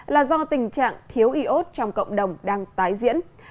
là do tình trạng thiếu iốt trong cộng đồng đang tái diễn